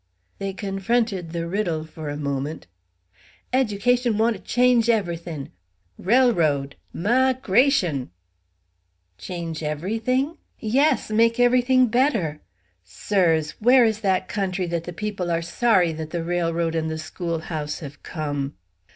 They confronted the riddle for a moment. "Ed'cation want to change every thin' rellroad 'migrash'n." "Change every thing? Yes! making every thing better! Sirs, where is that country that the people are sorry that the railroad and the schoolhouse have come?"